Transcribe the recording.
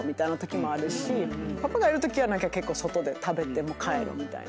パパがいるときは結構外で食べて帰るみたいな。